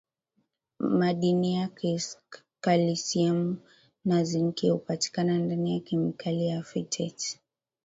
madiniya kalisiamu na zinki hupatikana ndani ya kemikali ya phytate